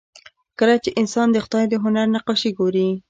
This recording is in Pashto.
کله چې انسان د خدای د هنر نقاشي ګوري